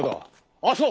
あっそう。